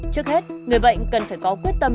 trước hết người bệnh cần phải có quyết tâm